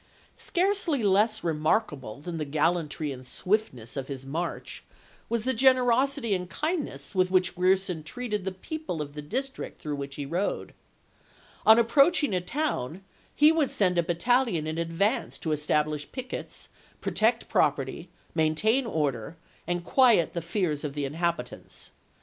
Scarcely less remarkable than the gallantry and swiftness of his march was the generosity and 164 ABRAHAM LINCOLN Chap. VI. W. R. Vol. XXIV. Part III., p. 702. kindness "with which Grierson treated the people of the district through which he rode. On approach ing a town he would send a battalion in advance to establish pickets, protect property, maintain order, and quiet the fears of the inhabitants.